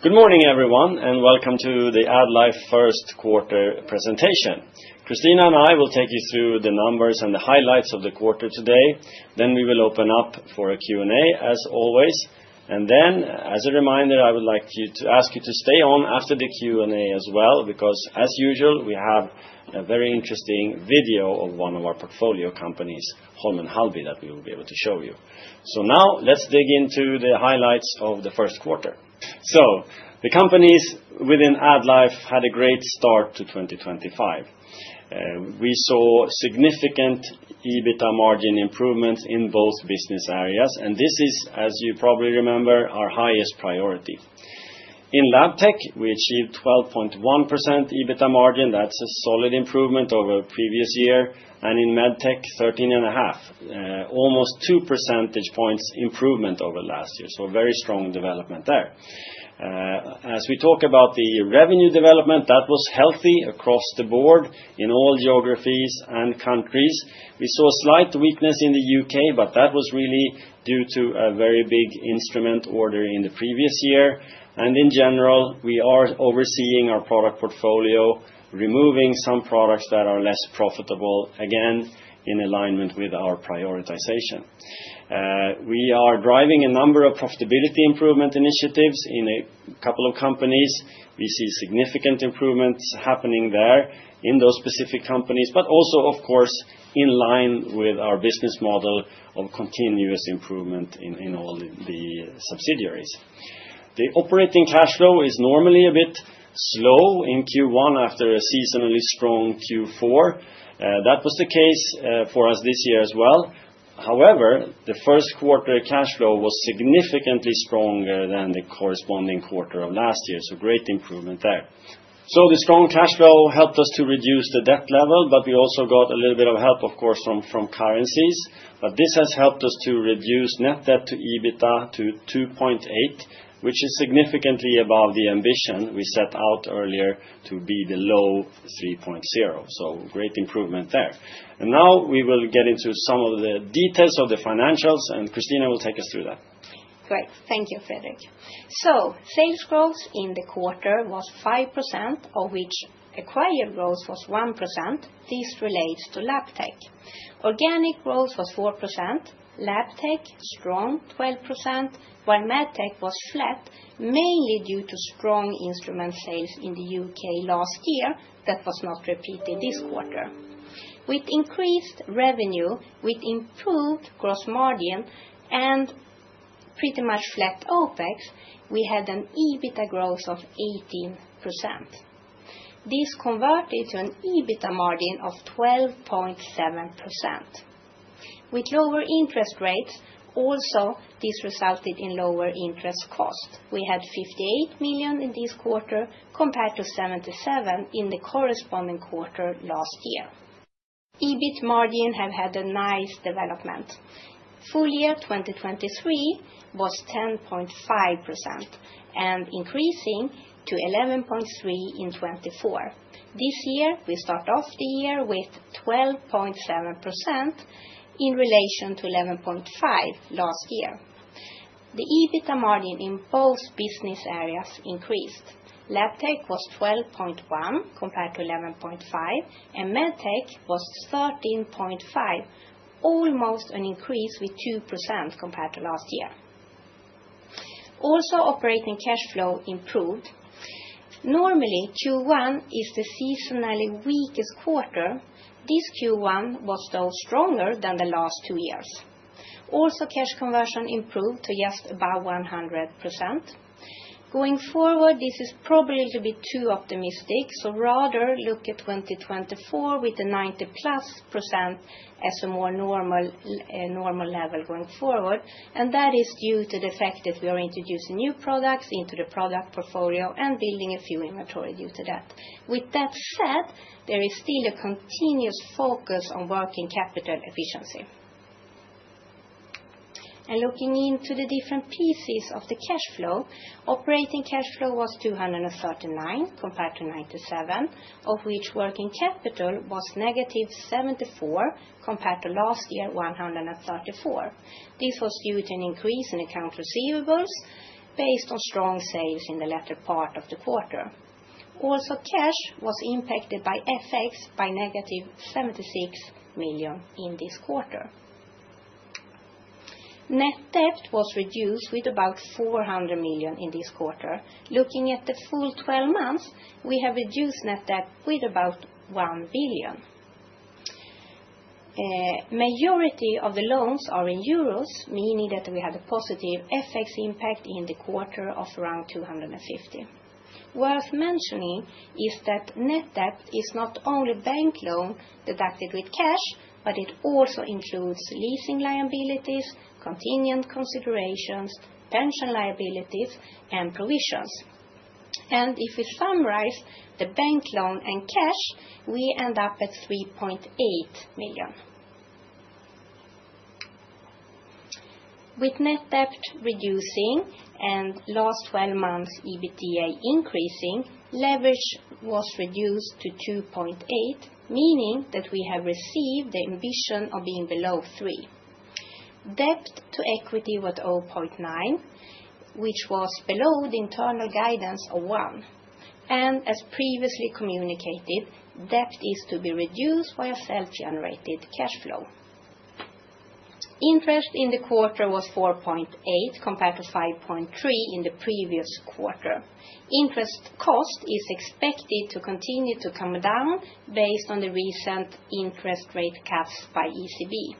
Good morning, everyone, and welcome to the AddLife First Quarter presentation. Christina and I will take you through the numbers and the highlights of the quarter today. We will open up for a Q&A, as always. As a reminder, I would like to ask you to stay on after the Q&A as well, because, as usual, we have a very interesting video of one of our portfolio companies, Holm & Halby, that we will be able to show you. Now, let's dig into the highlights of the first quarter. The companies within AddLife had a great start to 2025. We saw significant EBITDA margin improvements in both business areas, and this is, as you probably remember, our highest priority. In lab tech, we achieved 12.1% EBITDA margin. That's a solid improvement over the previous year. In med tech, 13.5%, almost two percentage points improvement over last year. Very strong development there. As we talk about the revenue development, that was healthy across the board in all geographies and countries. We saw a slight weakness in the U.K., but that was really due to a very big instrument order in the previous year. In general, we are overseeing our product portfolio, removing some products that are less profitable, again, in alignment with our prioritization. We are driving a number of profitability improvement initiatives in a couple of companies. We see significant improvements happening there in those specific companies, but also, of course, in line with our business model of continuous improvement in all the subsidiaries. The operating cash flow is normally a bit slow in Q1 after a seasonally strong Q4. That was the case for us this year as well. However, the first quarter cash flow was significantly stronger than the corresponding quarter of last year. Great improvement there. The strong cash flow helped us to reduce the debt level, but we also got a little bit of help, of course, from currencies. This has helped us to reduce net debt to EBITDA to 2.8%, which is significantly above the ambition we set out earlier to be below 3.0%. Great improvement there. Now we will get into some of the details of the financials, and Christina will take us through that. Great. Thank you, Fredrik. Sales growth in the quarter was 5%, of which acquired growth was 1%. This relates to lab tech. Organic growth was 4%. Lab tech strong 12%, while med tech was flat, mainly due to strong instrument sales in the U.K. last year that was not repeated this quarter. With increased revenue, with improved gross margin, and pretty much flat OpEx, we had an EBITDA growth of 18%. This converted to an EBITDA margin of 12.7%. With lower interest rates, also this resulted in lower interest cost. We had 58 million in this quarter compared to 77 million in the corresponding quarter last year. EBIT margin have had a nice development. Full year 2023 was 10.5% and increasing to 11.3% in 2024. This year, we start off the year with 12.7% in relation to 11.5% last year. The EBITDA margin in both business areas increased. Labtech was 12.1% compared to 11.5%, and medtech was 13.5%, almost an increase with 2% compared to last year. Also, operating cash flow improved. Normally, Q1 is the seasonally weakest quarter. This Q1 was, though, stronger than the last two years. Also, cash conversion improved to just about 100%. Going forward, this is probably a little bit too optimistic, so rather look at 2024 with the 90-plus % as a more normal level going forward. That is due to the fact that we are introducing new products into the product portfolio and building a few inventories due to that. With that said, there is still a continuous focus on working capital efficiency. Looking into the different pieces of the cash flow, operating cash flow was 239 million compared to 97 million, of which working capital was negative 74 million compared to last year, 134 million. This was due to an increase in accounts receivables based on strong sales in the latter part of the quarter. Also, cash was impacted by FX by negative 76 million in this quarter. Net debt was reduced with about 400 million in this quarter. Looking at the full 12 months, we have reduced net debt with about 1 billion. Majority of the loans are in EUR, meaning that we had a positive FX impact in the quarter of around 250 million. Worth mentioning is that net debt is not only bank loan deducted with cash, but it also includes leasing liabilities, contingent considerations, pension liabilities, and provisions. If we summarize the bank loan and cash, we end up at 3.8 million. With net debt reducing and last 12 months EBITDA increasing, leverage was reduced to 2.8, meaning that we have received the ambition of being below 3. Debt to equity was 0.9, which was below the internal guidance of 1. As previously communicated, debt is to be reduced via self-generated cash flow. Interest in the quarter was 4.8 million compared to 5.3 million in the previous quarter. Interest cost is expected to continue to come down based on the recent interest rate cuts by ECB.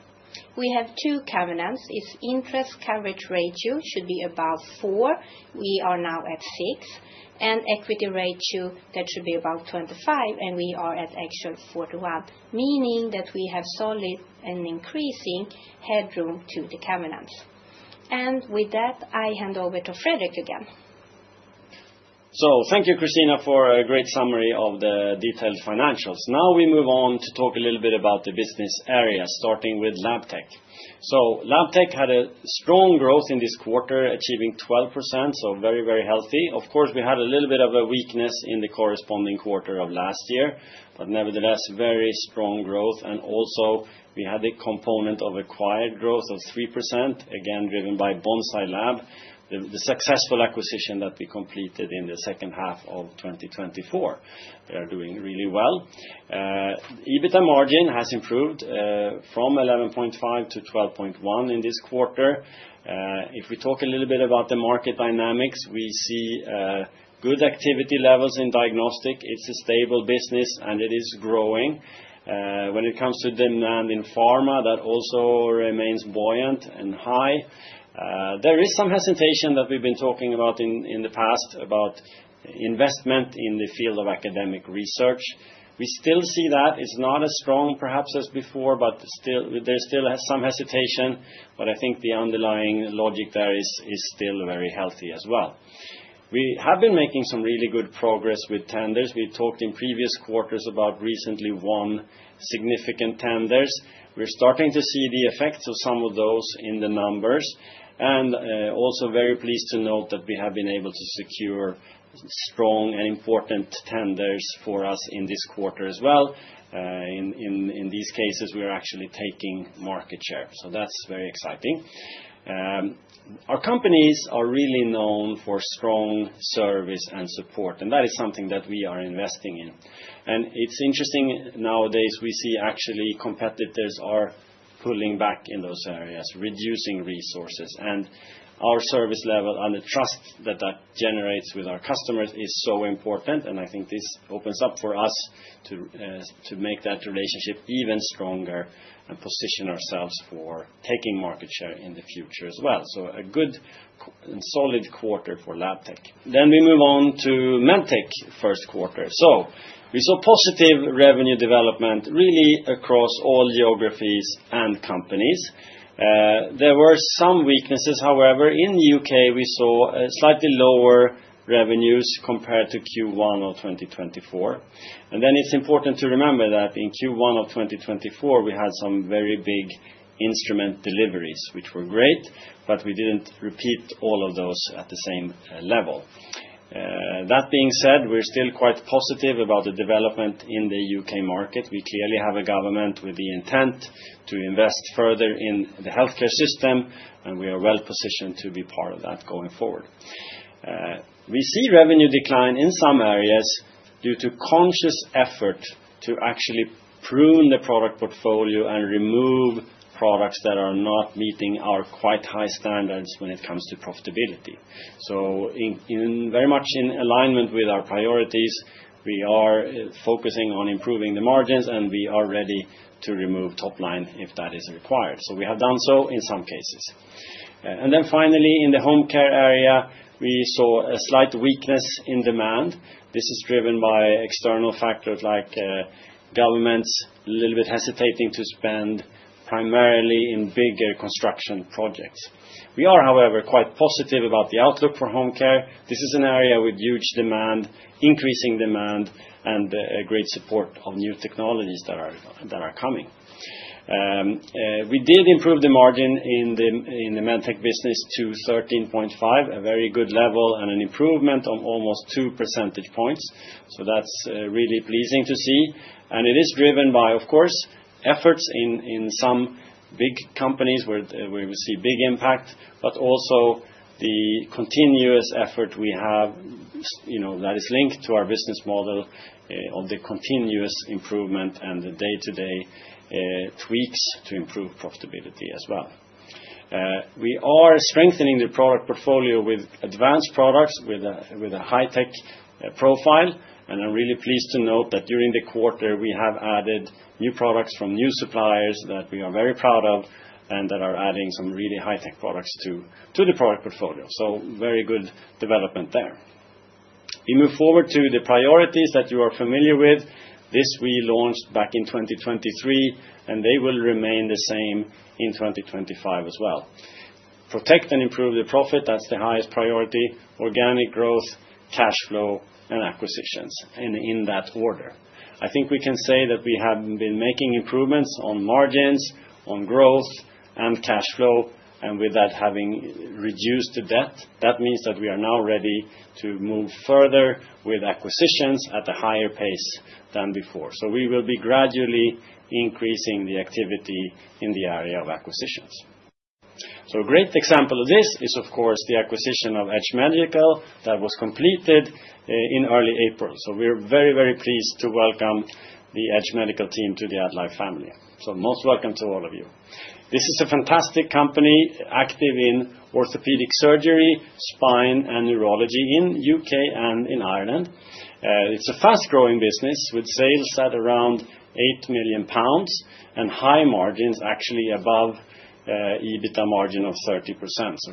We have two covenants. Interest coverage ratio should be above 4, we are now at 6, and equity ratio that should be above 25%, and we are at actual 41%, meaning that we have solid and increasing headroom to the covenants. With that, I hand over to Fredrik again. Thank you, Christina, for a great summary of the detailed financials. Now we move on to talk a little bit about the business area, starting with Labtech. Labtech had a strong growth in this quarter, achieving 12%, so very, very healthy. Of course, we had a little bit of a weakness in the corresponding quarter of last year, but nevertheless, very strong growth. Also, we had a component of acquired growth of 3%, again, driven by Bonsai Lab, the successful acquisition that we completed in the second half of 2024. They are doing really well. EBITDA margin has improved from 11.5% to 12.1% in this quarter. If we talk a little bit about the market dynamics, we see good activity levels in diagnostics. It is a stable business, and it is growing. When it comes to demand in pharma, that also remains buoyant and high. There is some hesitation that we've been talking about in the past about investment in the field of academic research. We still see that. It's not as strong, perhaps, as before, but there's still some hesitation. I think the underlying logic there is still very healthy as well. We have been making some really good progress with tenders. We talked in previous quarters about recently won significant tenders. We're starting to see the effects of some of those in the numbers. Also very pleased to note that we have been able to secure strong and important tenders for us in this quarter as well. In these cases, we're actually taking market share. That's very exciting. Our companies are really known for strong service and support, and that is something that we are investing in. It is interesting nowadays we see actually competitors are pulling back in those areas, reducing resources. Our service level and the trust that that generates with our customers is so important. I think this opens up for us to make that relationship even stronger and position ourselves for taking market share in the future as well. A good and solid quarter for lab tech. We move on to med tech first quarter. We saw positive revenue development really across all geographies and companies. There were some weaknesses, however. In the U.K., we saw slightly lower revenues compared to Q1 of 2024. It is important to remember that in Q1 of 2024, we had some very big instrument deliveries, which were great, but we did not repeat all of those at the same level. That being said, we're still quite positive about the development in the U.K. market. We clearly have a government with the intent to invest further in the healthcare system, and we are well positioned to be part of that going forward. We see revenue decline in some areas due to conscious effort to actually prune the product portfolio and remove products that are not meeting our quite high standards when it comes to profitability. Very much in alignment with our priorities, we are focusing on improving the margins, and we are ready to remove top line if that is required. We have done so in some cases. Finally, in the home care area, we saw a slight weakness in demand. This is driven by external factors like governments a little bit hesitating to spend primarily in bigger construction projects. We are, however, quite positive about the outlook for home care. This is an area with huge demand, increasing demand, and great support of new technologies that are coming. We did improve the margin in the med tech business to 13.5%, a very good level and an improvement of almost 2 percentage points. That is really pleasing to see. It is driven by, of course, efforts in some big companies where we see big impact, but also the continuous effort we have that is linked to our business model of the continuous improvement and the day-to-day tweaks to improve profitability as well. We are strengthening the product portfolio with advanced products with a high-tech profile. I'm really pleased to note that during the quarter, we have added new products from new suppliers that we are very proud of and that are adding some really high-tech products to the product portfolio. Very good development there. We move forward to the priorities that you are familiar with. This we launched back in 2023, and they will remain the same in 2025 as well. Protect and improve the profit. That's the highest priority. Organic growth, cash flow, and acquisitions in that order. I think we can say that we have been making improvements on margins, on growth, and cash flow, and with that having reduced the debt, that means that we are now ready to move further with acquisitions at a higher pace than before. We will be gradually increasing the activity in the area of acquisitions. A great example of this is, of course, the acquisition of Edge Medical that was completed in early April. We are very, very pleased to welcome the Edge Medical team to the AddLife family. Most welcome to all of you. This is a fantastic company active in orthopedic surgery, spine, and neurology in the U.K. and in Ireland. It is a fast-growing business with sales at around 8 million pounds and high margins, actually above EBITDA margin of 30%.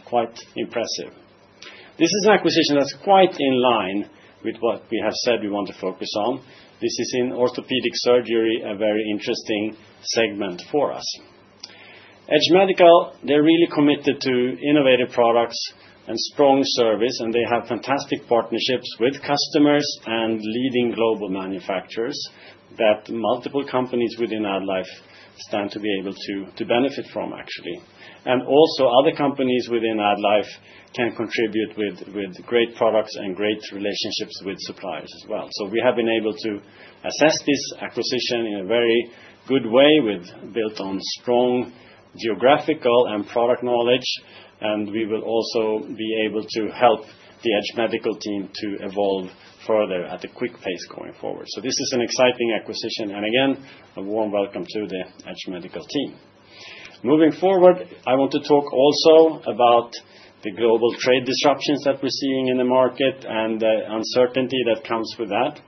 Quite impressive. This is an acquisition that is quite in line with what we have said we want to focus on. This is in orthopedic surgery, a very interesting segment for us. Edge Medical, they are really committed to innovative products and strong service, and they have fantastic partnerships with customers and leading global manufacturers that multiple companies within AddLife stand to be able to benefit from, actually. Also, other companies within AddLife can contribute with great products and great relationships with suppliers as well. We have been able to assess this acquisition in a very good way with built-on strong geographical and product knowledge. We will also be able to help the Edge Medical team to evolve further at a quick pace going forward. This is an exciting acquisition. Again, a warm welcome to the Edge Medical team. Moving forward, I want to talk also about the global trade disruptions that we are seeing in the market and the uncertainty that comes with that.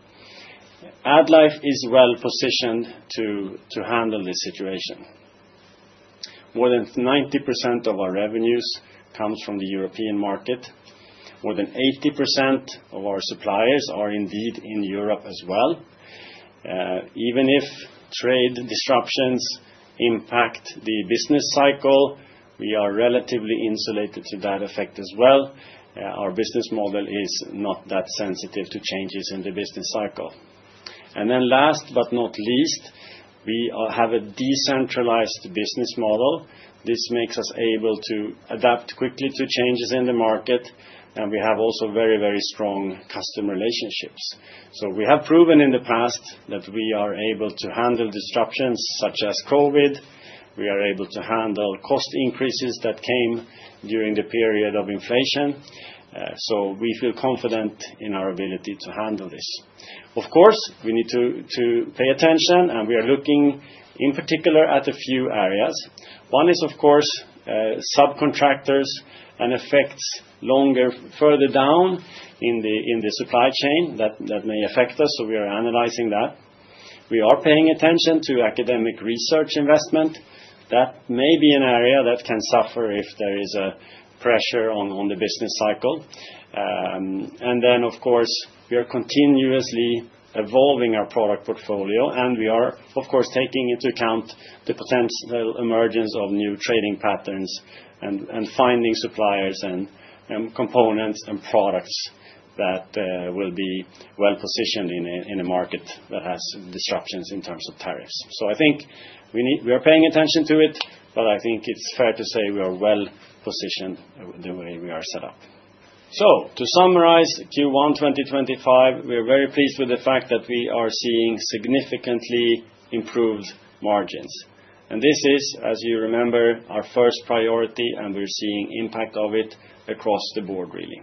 AddLife is well positioned to handle this situation. More than 90% of our revenues comes from the European market. More than 80% of our suppliers are indeed in Europe as well. Even if trade disruptions impact the business cycle, we are relatively insulated to that effect as well. Our business model is not that sensitive to changes in the business cycle. Last but not least, we have a decentralized business model. This makes us able to adapt quickly to changes in the market. We have also very, very strong customer relationships. We have proven in the past that we are able to handle disruptions such as COVID. We are able to handle cost increases that came during the period of inflation. We feel confident in our ability to handle this. Of course, we need to pay attention, and we are looking in particular at a few areas. One is, of course, subcontractors and effects further down in the supply chain that may affect us. We are analyzing that. We are paying attention to academic research investment. That may be an area that can suffer if there is a pressure on the business cycle. We are continuously evolving our product portfolio, and we are, of course, taking into account the potential emergence of new trading patterns and finding suppliers and components and products that will be well positioned in a market that has disruptions in terms of tariffs. I think we are paying attention to it, but I think it is fair to say we are well positioned the way we are set up. To summarize Q1 2025, we are very pleased with the fact that we are seeing significantly improved margins. This is, as you remember, our first priority, and we are seeing impact of it across the board, really.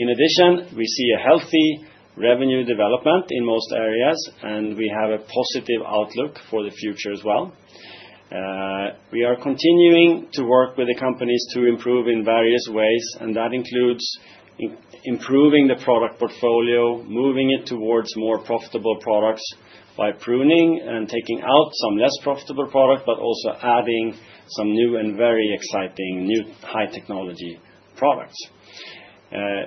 In addition, we see a healthy revenue development in most areas, and we have a positive outlook for the future as well. We are continuing to work with the companies to improve in various ways, and that includes improving the product portfolio, moving it towards more profitable products by pruning and taking out some less profitable products, but also adding some new and very exciting new high-technology products.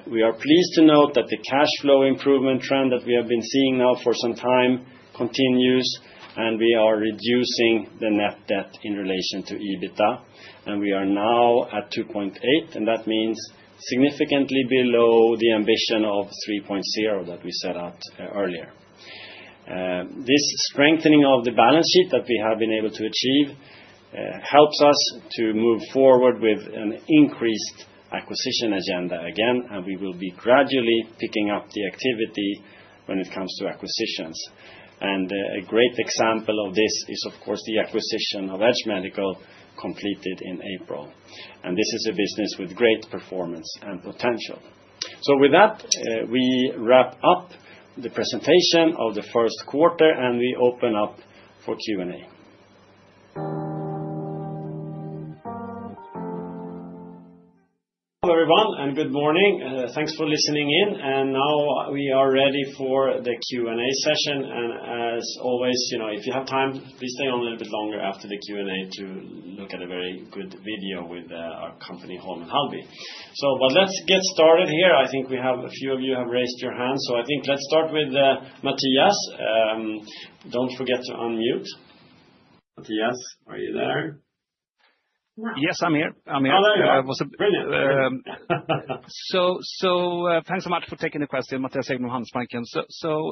We are pleased to note that the cash flow improvement trend that we have been seeing now for some time continues, and we are reducing the net debt in relation to EBITDA. We are now at 2.8, and that means significantly below the ambition of 3.0 that we set out earlier. This strengthening of the balance sheet that we have been able to achieve helps us to move forward with an increased acquisition agenda again, and we will be gradually picking up the activity when it comes to acquisitions. A great example of this is, of course, the acquisition of Edge Medical completed in April. This is a business with great performance and potential. With that, we wrap up the presentation of the first quarter, and we open up for Q&A. Hello, everyone, and good morning. Thanks for listening in. Now we are ready for the Q&A session. As always, if you have time, please stay on a little bit longer after the Q&A to look at a very good video with our company, Holm & Halby. Let's get started here. I think a few of you have raised your hand. I think let's start with Mattias. Don't forget to unmute. Mattias, are you there? Yes, I'm here. I'm here. Brilliant. Thanks so much for taking the question, Mattias Häggblom, Handelsbanken.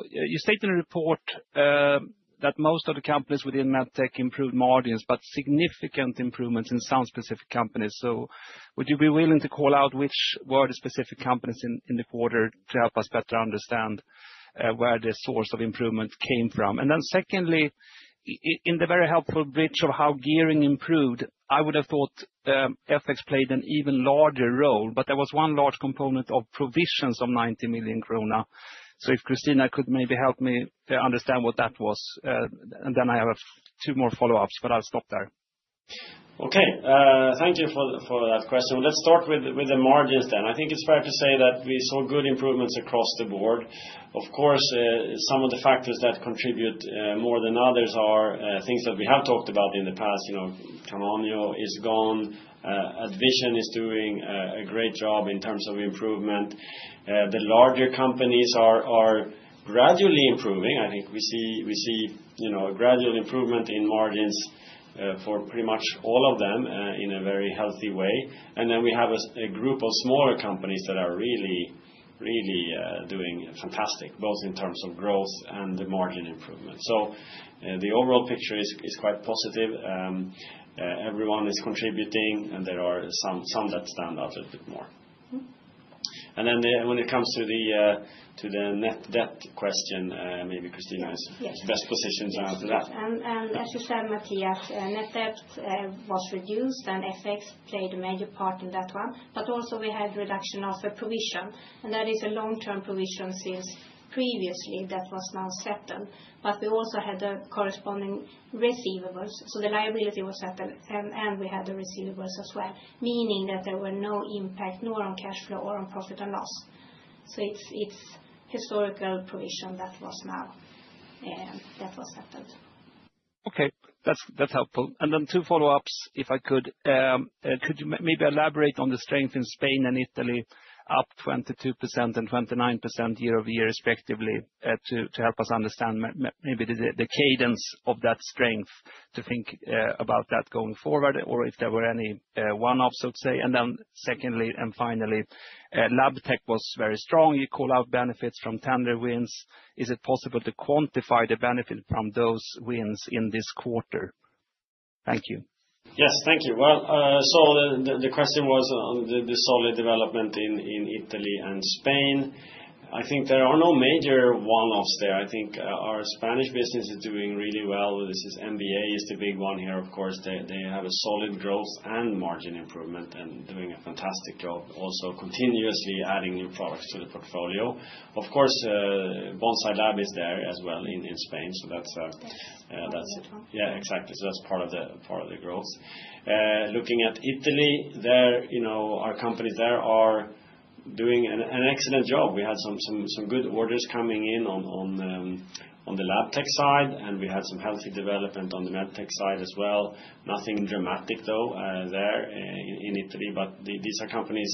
You state in the report that most of the companies within med tech improved margins, but significant improvements in some specific companies. Would you be willing to call out which were the specific companies in the quarter to help us better understand where the source of improvement came from? Secondly, in the very helpful bridge of how gearing improved, I would have thought FX played an even larger role, but there was one large component of provisions of 90 million krona. If Christina could maybe help me understand what that was, then I have two more follow-ups, but I'll stop there. Okay. Thank you for that question. Let's start with the margins then. I think it's fair to say that we saw good improvements across the board. Of course, some of the factors that contribute more than others are things that we have talked about in the past. Karin Fischer is gone. AddVision is doing a great job in terms of improvement. The larger companies are gradually improving. I think we see a gradual improvement in margins for pretty much all of them in a very healthy way. There is a group of smaller companies that are really, really doing fantastic, both in terms of growth and the margin improvement. The overall picture is quite positive. Everyone is contributing, and there are some that stand out a little bit more. When it comes to the net debt question, maybe Christina is best positioned to answer that. As you said, Mattias, net debt was reduced, and FX played a major part in that one. We had reduction of a provision. That is a long-term provision since previously that was now settled. We also had the corresponding receivables. The liability was settled, and we had the receivables as well, meaning that there were no impact nor on cash flow or on profit and loss. It is a historical provision that was now settled. Okay. That's helpful. Two follow-ups, if I could. Could you maybe elaborate on the strength in Spain and Italy, up 22% and 29% year over year, respectively, to help us understand maybe the cadence of that strength to think about that going forward, or if there were any one-offs, I would say. Secondly, and finally, Labtech was very strong. You call out benefits from tender wins. Is it possible to quantify the benefit from those wins in this quarter? Thank you. Yes, thank you. The question was on the solid development in Italy and Spain. I think there are no major one-offs there. I think our Spanish business is doing really well. This is MBA is the big one here, of course. They have solid growth and margin improvement and are doing a fantastic job, also continuously adding new products to the portfolio. Of course, Bonsai Lab is there as well in Spain. That is a good one. Yes, exactly. That is part of the growth. Looking at Italy, our companies there are doing an excellent job. We had some good orders coming in on the Labtech side, and we had some healthy development on the Medtech side as well. Nothing dramatic, though, there in Italy, but these are companies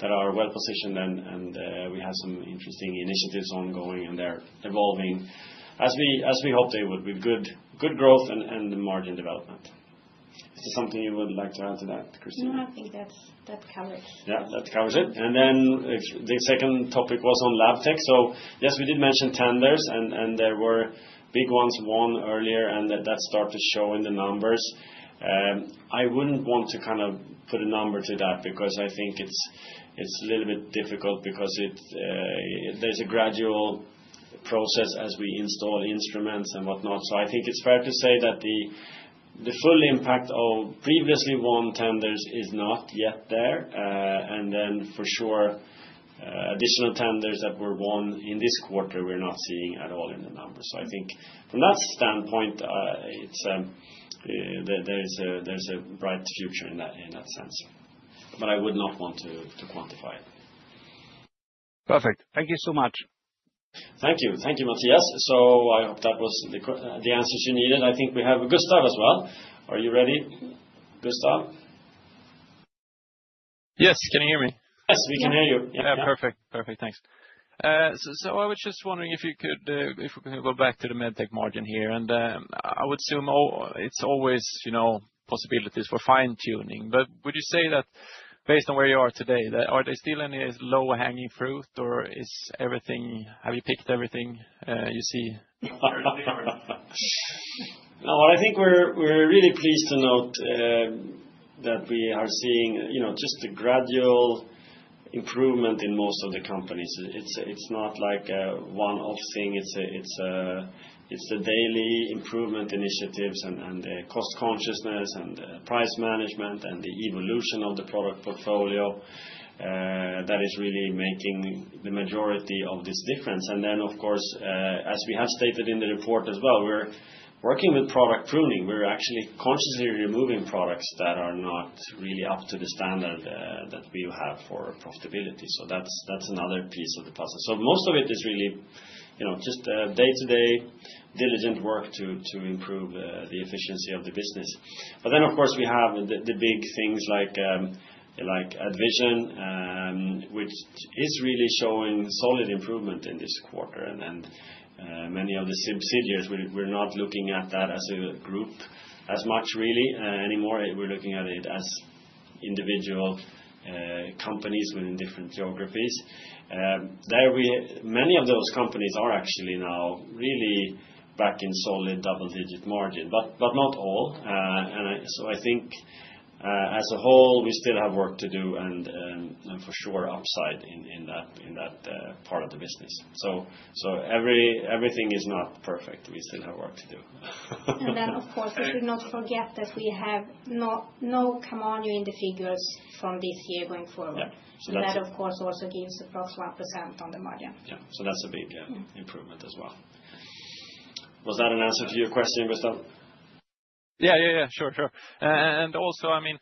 that are well positioned, and we have some interesting initiatives ongoing, and they're evolving, as we hoped they would, with good growth and margin development. Is there something you would like to add to that, Christina? No, I think that covers it. Yeah, that covers it. The second topic was on Labtech. Yes, we did mention tenders, and there were big ones won earlier, and that started showing the numbers. I wouldn't want to kind of put a number to that because I think it's a little bit difficult because there's a gradual process as we install instruments and whatnot. I think it's fair to say that the full impact of previously won tenders is not yet there. For sure, additional tenders that were won in this quarter are not showing at all in the numbers. I think from that standpoint, there is a bright future in that sense, but I would not want to quantify it. Perfect. Thank you so much. Thank you. Thank you, Mattias. I hope that was the answers you needed. I think we have Gustav as well. Are you ready, Gustav? Yes, can you hear me? Yes, we can hear you. Yeah, perfect. Perfect. Thanks. I was just wondering if you could go back to the Medtech margin here. I would assume it is always possibilities for fine-tuning. Would you say that based on where you are today, are there still any low-hanging fruit, or have you picked everything you see? No, I think we're really pleased to note that we are seeing just a gradual improvement in most of the companies. It's not like a one-off thing. It's the daily improvement initiatives and the cost consciousness and the price management and the evolution of the product portfolio that is really making the majority of this difference. Of course, as we have stated in the report as well, we're working with product pruning. We're actually consciously removing products that are not really up to the standard that we have for profitability. That's another piece of the puzzle. Most of it is really just day-to-day diligent work to improve the efficiency of the business. Of course, we have the big things like AddVision, which is really showing solid improvement in this quarter. Many of the subsidiaries, we're not looking at that as a group as much really anymore. We're looking at it as individual companies within different geographies. Many of those companies are actually now really back in solid double-digit margin, but not all. I think as a whole, we still have work to do and for sure upside in that part of the business. Everything is not perfect. We still have work to do. Of course, we should not forget that we have no commodity in the figures from this year going forward. That, of course, also gives approximately 1% on the margin. Yeah. That's a big improvement as well. Was that an answer to your question, Gustav? Yeah, yeah, yeah. Sure, sure. Also, I mean,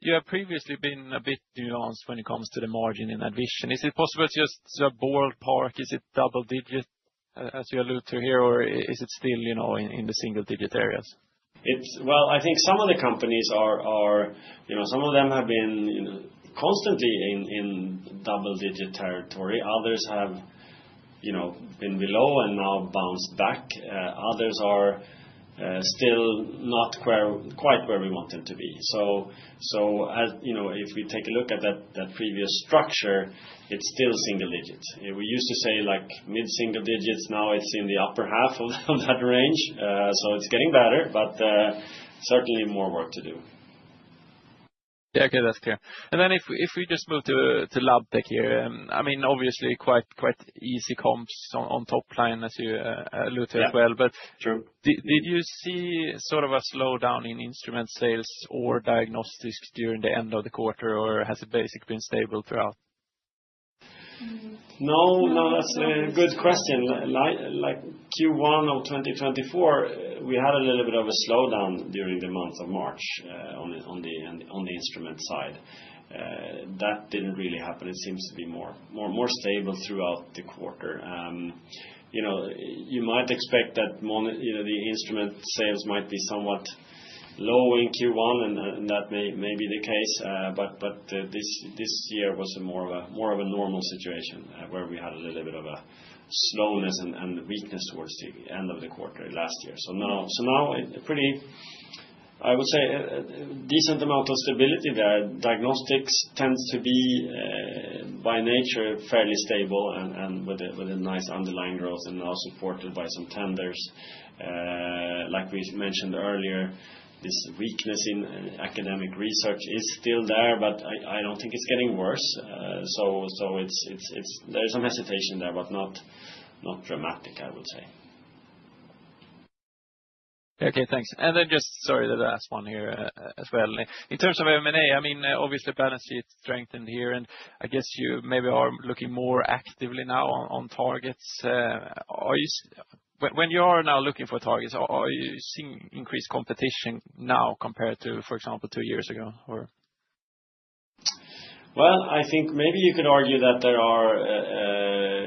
you have previously been a bit nuanced when it comes to the margin in AddVision. Is it possible to just ballpark? Is it double-digit as you alluded to here, or is it still in the single-digit areas? I think some of the companies are, some of them have been constantly in double-digit territory. Others have been below and now bounced back. Others are still not quite where we want them to be. If we take a look at that previous structure, it's still single-digit. We used to say mid-single digits. Now it's in the upper half of that range. It's getting better, but certainly more work to do. Yeah, okay. That's clear. If we just move to Labtech here, I mean, obviously quite easy comps on top line as you alluded to as well. Did you see sort of a slowdown in instrument sales or diagnostics during the end of the quarter, or has it basically been stable throughout? No, no. That's a good question. Q1 of 2024, we had a little bit of a slowdown during the month of March on the instrument side. That did not really happen. It seems to be more stable throughout the quarter. You might expect that the instrument sales might be somewhat low in Q1, and that may be the case. This year was more of a normal situation where we had a little bit of a slowness and weakness towards the end of the quarter last year. I would say a decent amount of stability there. Diagnostics tends to be by nature fairly stable and with a nice underlying growth and now supported by some tenders. Like we mentioned earlier, this weakness in academic research is still there, but I do not think it is getting worse. There is some hesitation there, but not dramatic, I would say. Okay. Thanks. Sorry, the last one here as well. In terms of M&A, I mean, obviously balance sheet strengthened here, and I guess you maybe are looking more actively now on targets. When you are now looking for targets, are you seeing increased competition now compared to, for example, two years ago, or? I think maybe you could argue that there are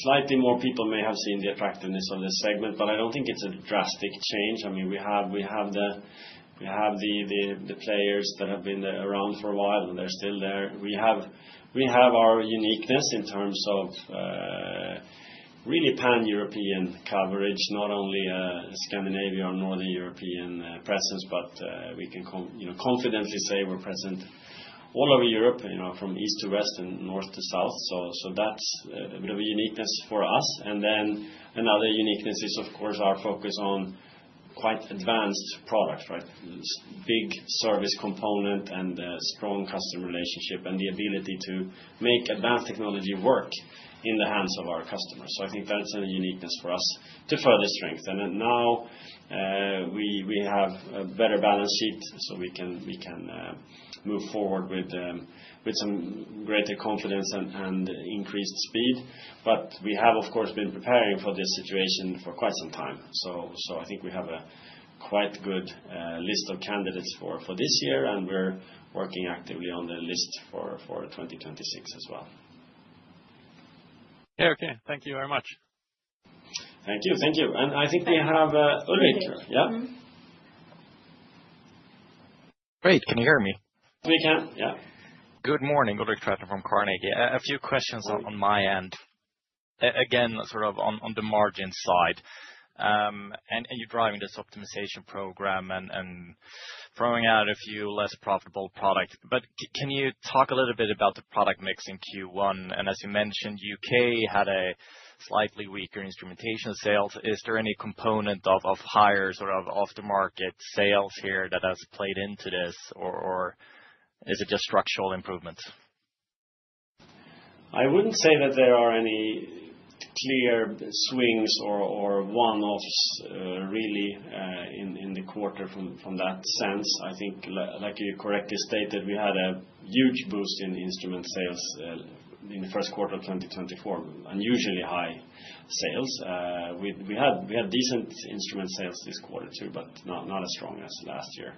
slightly more people may have seen the attractiveness of this segment, but I do not think it is a drastic change. I mean, we have the players that have been around for a while, and they are still there. We have our uniqueness in terms of really pan-European coverage, not only a Scandinavia or Northern European presence, but we can confidently say we're present all over Europe from east to west and north to south. That is a bit of a uniqueness for us. Another uniqueness is, of course, our focus on quite advanced products, right? Big service component and strong customer relationship and the ability to make advanced technology work in the hands of our customers. I think that is a uniqueness for us to further strengthen. Now we have a better balance sheet, so we can move forward with some greater confidence and increased speed. We have, of course, been preparing for this situation for quite some time. I think we have a quite good list of candidates for this year, and we're working actively on the list for 2026 as well. Yeah, okay. Thank you very much. Thank you. Thank you. I think we have Ulrik. Yeah? Great. Can you hear me? We can. Yeah. Good morning, Ulrik from. A few questions on my end. Again, sort of on the margin side. You're driving this optimization program and throwing out a few less profitable products. Can you talk a little bit about the product mix in Q1? As you mentioned, U.K. had a slightly weaker instrumentation sales. Is there any component of higher sort of off-the-market sales here that has played into this, or is it just structural improvements? I wouldn't say that there are any clear swings or one-offs really in the quarter from that sense. I think, like you correctly stated, we had a huge boost in instrument sales in the first quarter of 2024, unusually high sales. We had decent instrument sales this quarter too, but not as strong as last year.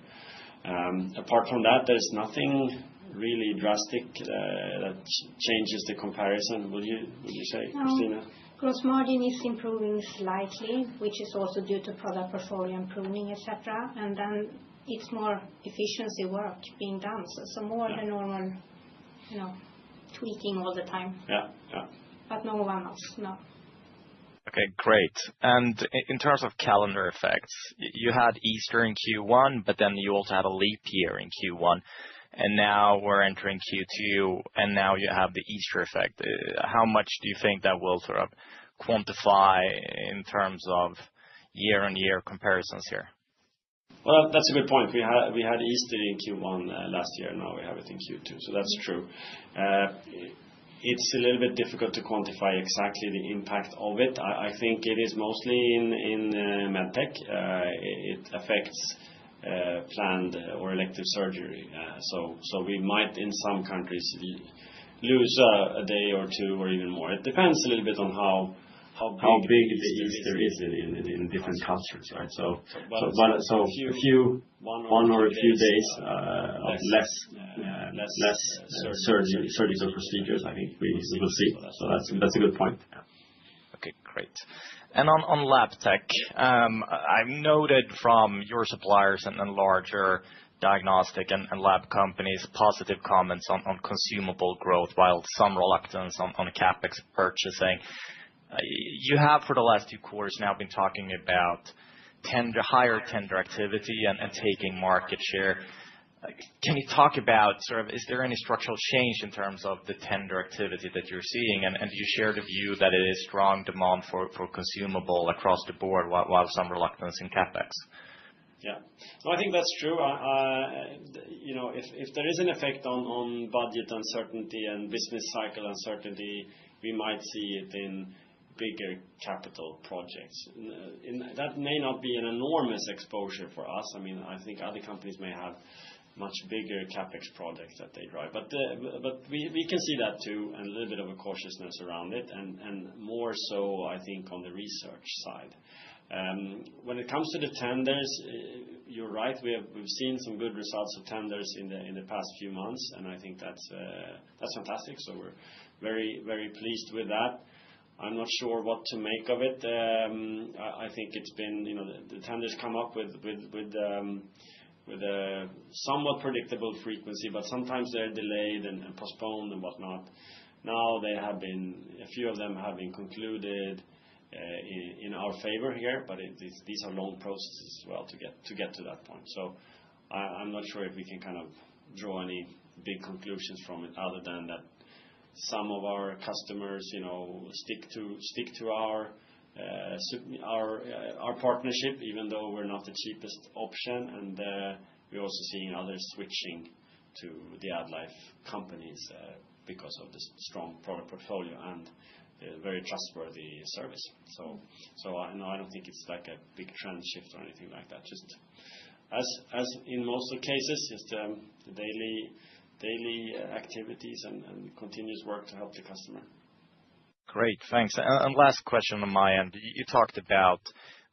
Apart from that, there's nothing really drastic that changes the comparison, would you say, Christina? Gross margin is improving slightly, which is also due to product portfolio improving, etc. It is more efficiency work being done. More than normal tweaking all the time. No one else. No. Okay. Great. In terms of calendar effects, you had Easter in Q1, but then you also had a leap year in Q1. Now we're entering Q2, and now you have the Easter effect. How much do you think that will sort of quantify in terms of year-on-year comparisons here? That is a good point. We had Easter in Q1 last year. Now we have it in Q2. That is true. It is a little bit difficult to quantify exactly the impact of it. I think it is mostly in Medtech. It affects planned or elective surgery. We might, in some countries, lose a day or two or even more. It depends a little bit on how big the Easter is in different countries, right? One or a few days of less surgical procedures, I think we will see. That is a good point. Okay. Great. On Labtech, I have noted from your suppliers and then larger diagnostic and lab companies positive comments on consumable growth while some reluctance on CaPex purchasing. You have, for the last two quarters, now been talking about higher tender activity and taking market share. Can you talk about sort of is there any structural change in terms of the tender activity that you are seeing? You shared a view that it is strong demand for consumable across the board while some reluctance in CaPex. Yeah. No, I think that's true. If there is an effect on budget uncertainty and business cycle uncertainty, we might see it in bigger capital projects. That may not be an enormous exposure for us. I mean, I think other companies may have much bigger CapEx projects that they drive. We can see that too and a little bit of a cautiousness around it, and more so, I think, on the research side. When it comes to the tenders, you're right. We've seen some good results of tenders in the past few months, and I think that's fantastic. We are very, very pleased with that. I'm not sure what to make of it. I think it's been the tenders come up with somewhat predictable frequency, but sometimes they're delayed and postponed and whatnot. Now, a few of them have been concluded in our favor here, but these are long processes as well to get to that point. I'm not sure if we can kind of draw any big conclusions from it other than that some of our customers stick to our partnership, even though we're not the cheapest option. We're also seeing others switching to the AddLife companies because of the strong product portfolio and very trustworthy service. I don't think it's like a big trend shift or anything like that. Just as in most cases, just daily activities and continuous work to help the customer. Great. Thanks. Last question on my end. You talked about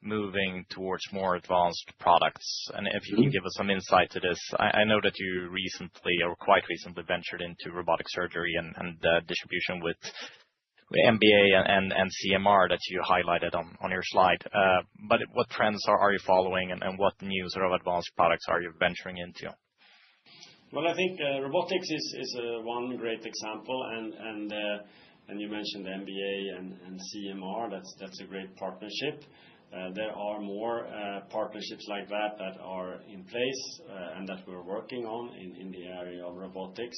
moving towards more advanced products. If you can give us some insight to this. I know that you recently or quite recently ventured into robotic surgery and distribution with MBA and CMR that you highlighted on your slide. What trends are you following, and what new sort of advanced products are you venturing into? I think robotics is one great example. You mentioned MBA and CMR. That's a great partnership. There are more partnerships like that that are in place and that we're working on in the area of robotics.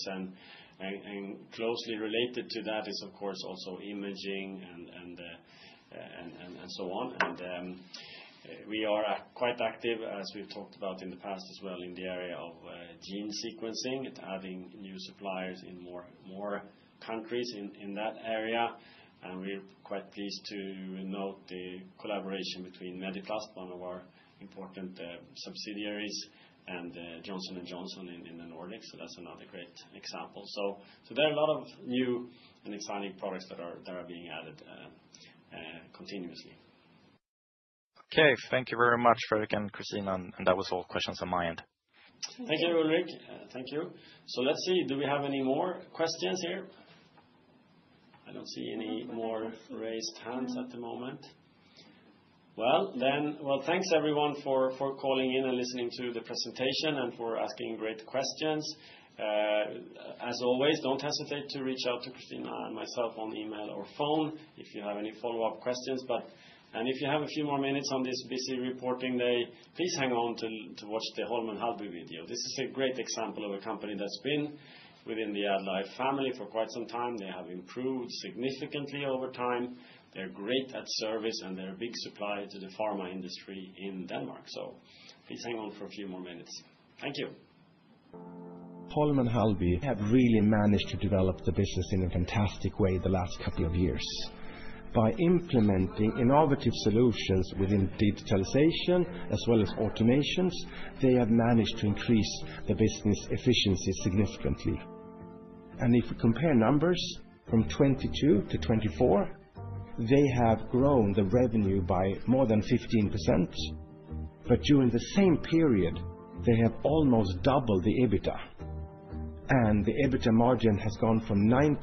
Closely related to that is, of course, also imaging and so on. We are quite active, as we've talked about in the past as well, in the area of gene sequencing, adding new suppliers in more countries in that area. We are quite pleased to note the collaboration between Mediplast, one of our important subsidiaries, and Johnson & Johnson in the Nordics. That's another great example. There are a lot of new and exciting products that are being added continuously. Okay. Thank you very much, Fredrik and Christina. That was all questions on my end. Thank you, Ulrik. Thank you. Let's see. Do we have any more questions here? I don't see any more raised hands at the moment. Thanks everyone for calling in and listening to the presentation and for asking great questions. As always, don't hesitate to reach out to Christina and myself on email or phone if you have any follow-up questions. If you have a few more minutes on this busy reporting day, please hang on to watch the Holm & Halby video. This is a great example of a company that's been within the AddLife family for quite some time. They have improved significantly over time. They're great at service, and they're a big supplier to the pharma industry in Denmark. Please hang on for a few more minutes. Thank you. Holm & Halby have really managed to develop the business in a fantastic way the last couple of years. By implementing innovative solutions within digitalization as well as automations, they have managed to increase the business efficiency significantly. If we compare numbers from 2022 to 2024, they have grown the revenue by more than 15%. During the same period, they have almost doubled the EBITDA. The EBITDA margin has gone from 9%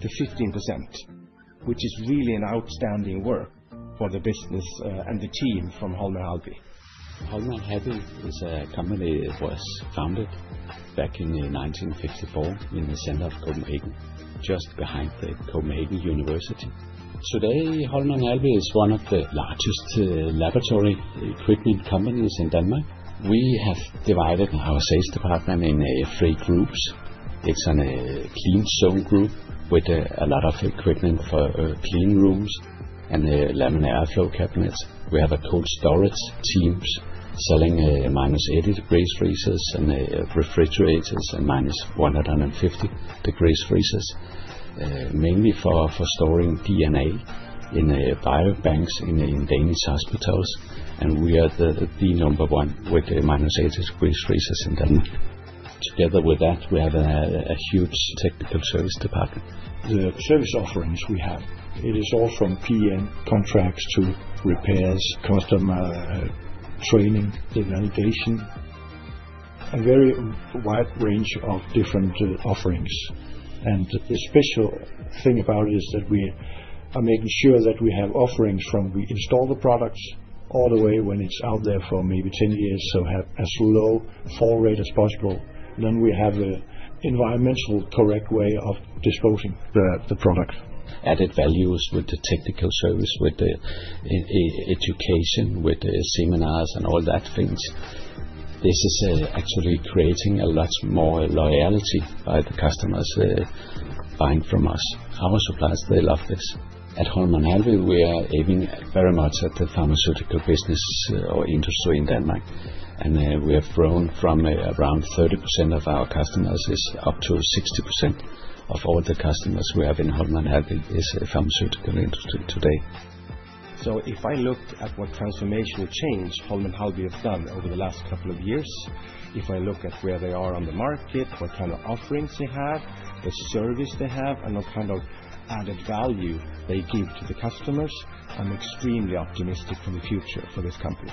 to 15%, which is really an outstanding work for the business and the team from Holm & Halby. Holm & Halby is a company that was founded back in 1954 in the center of Copenhagen, just behind the Copenhagen University. Today, Holm & Halby is one of the largest laboratory equipment companies in Denmark. We have divided our sales department into three groups. It is a clean zone group with a lot of equipment for clean rooms and laminar flow cabinets. We have cold storage teams selling minus 80 degrees Celsius freezers and refrigerators and minus 150 degrees Celsius freezers, mainly for storing DNA in biobanks in Danish hospitals. We are the number one with minus 80 degrees Celsius freezers in Denmark. Together with that, we have a huge technical service department. The service offerings we have, it is all from PM contracts to repairs, customer training, invalidation, a very wide range of different offerings. The special thing about it is that we are making sure that we have offerings from we install the products all the way when it's out there for maybe 10 years, so have as low fall rate as possible. We have an environmentally correct way of disposing the product. Added values with the technical service, with the education, with the seminars and all that things. This is actually creating a lot more loyalty by the customers buying from us. Our suppliers, they love this. At Holm & Halby, we are aiming very much at the pharmaceutical business or industry in Denmark. We have grown from around 30% of our customers up to 60% of all the customers we have in Holm & Halby is a pharmaceutical industry today. If I looked at what transformational change Holm & Halby has done over the last couple of years, if I look at where they are on the market, what kind of offerings they have, the service they have, and what kind of added value they give to the customers, I'm extremely optimistic for the future for this company.